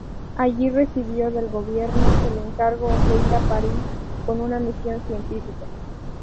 Allí recibió del gobierno el encargo de ir a París con una misión científica.